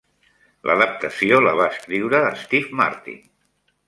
L'adaptació la va escriure Steve Martin.